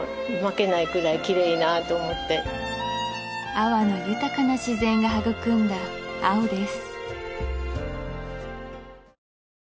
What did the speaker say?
阿波の豊かな自然が育んだ青です